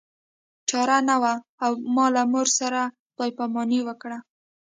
چاره نه وه او ما له مور سره خدای پاماني وکړه